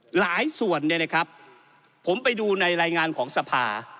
หลายส่วนเนี่ยนะครับผมไปดูในรายงานของสภา